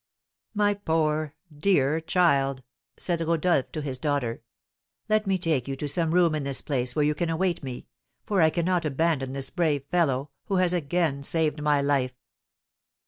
"My poor, dear child!" said Rodolph, to his daughter, "let me take you to some room in this place where you can await me, for I cannot abandon this brave fellow, who has again saved my life."